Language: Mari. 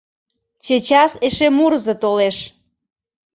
Чечас эше мурызо толеш.